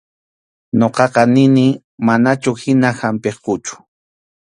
Ñuqaqa nini manachu hina hampiqkuchu.